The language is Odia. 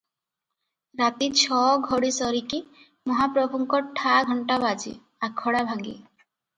ରାତି ଛଅ ଘଡ଼ି ସରିକି ମହାପ୍ରଭୁଙ୍କ ଠା ଘଣ୍ଟା ବାଜେ, ଆଖଡା ଭାଙ୍ଗେ ।